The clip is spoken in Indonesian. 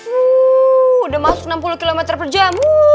sudah masuk enam puluh km per jam